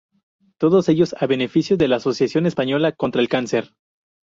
Todos ellos a beneficio de la Asociación Española Contra el Cáncer.